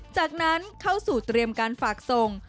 จากนั้นเข้าสู่เตรียมการฝากส่ง